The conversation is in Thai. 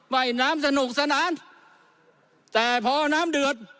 ว่ายน้ำสนุกสนานแต่พอน้ำเดือด